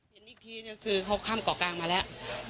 เห็นอีกทีก็คือเขาข้ามเกาะกลางมาแล้ว